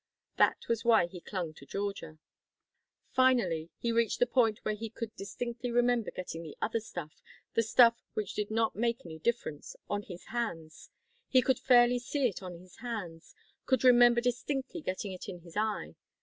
That was why he clung to Georgia. Finally he reached the point where he could distinctly remember getting the other stuff the stuff which did not make any difference on his hands. He could fairly see it on his hands, could remember distinctly getting it in his eye.